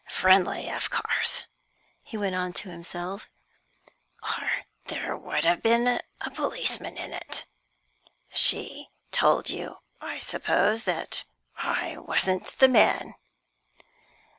"Friendly, of course," he went on to himself, "or there would have been a policeman in it. She told you, I suppose, that I wasn't the man?"